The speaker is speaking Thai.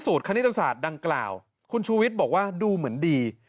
คณิตศาสตร์ดังกล่าวคุณชูวิทย์บอกว่าดูเหมือนดี